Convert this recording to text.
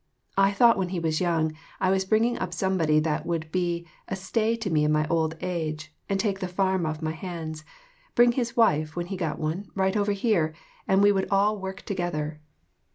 I thought, when he was young, I was bringing up somebody that would be a stay to me in my old age, and take the farm off my hands ; bring his wife, when he got one, right here, and we would all work together.